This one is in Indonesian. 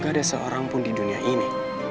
gak ada seorang pun di dunia ini